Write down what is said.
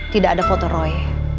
tidak ada foto roy